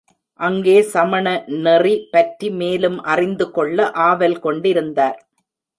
அங்கே சமணநெறி பற்றி மேலும் அறிந்து கொள்ள ஆவல் கொண்டிருந்தார்.